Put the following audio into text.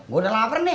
gue udah lapar nih